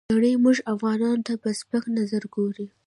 نړۍ موږ افغانانو ته په سپک نظر ګوري.